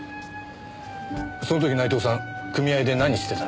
その時内藤さん組合で何してたんです？